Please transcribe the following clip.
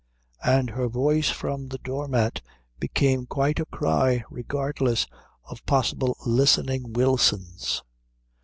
And her voice from the doormat became quite a cry, regardless of possible listening Wilsons.